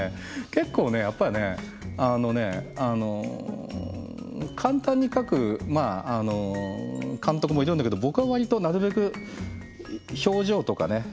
結構ねやっぱりねあのね簡単に描く監督もいるんだけど僕は割となるべく表情とかね